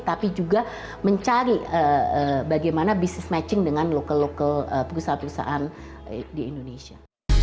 tapi juga mencari bagaimana bisnis matching dengan lokal lokal perusahaan perusahaan di indonesia